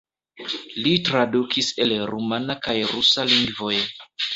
Li tradukis el rumana kaj rusa lingvoj.